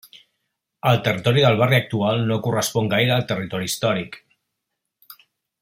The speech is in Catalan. El territori del barri actual no correspon gaire al territori històric.